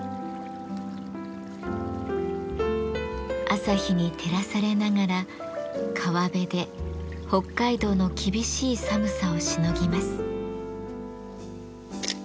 朝日に照らされながら川辺で北海道の厳しい寒さをしのぎます。